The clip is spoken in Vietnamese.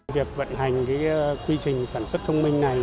việc vận hành quy trình sản xuất thông minh này